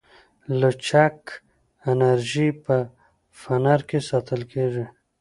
لچک انرژي په فنر کې ساتل کېږي.